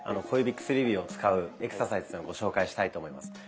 小指・薬指を使うエクササイズのご紹介したいと思います。